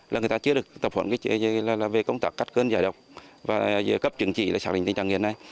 là người ta chưa được tập hợp về công tác cắt cơn giải độc và cấp chứng trị để xác định tình trạng nghiện này